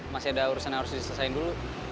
masih ada urusan yang harus diselesaikan dulu